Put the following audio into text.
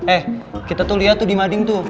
eh kita tuh lihat tuh di mading tuh